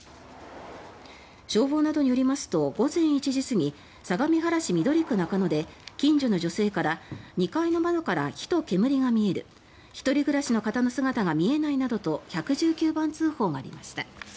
消防などによりますと午前１時過ぎ相模原市緑区中野で近所の女性から２階の窓から火と煙が見える１人暮らしの方の姿が見えないなどと１１９番通報がありました。